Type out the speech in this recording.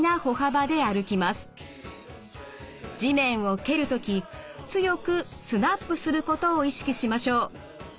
地面を蹴る時強くスナップすることを意識しましょう。